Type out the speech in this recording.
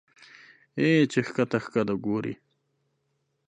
اې چې ښکته ښکته ګورې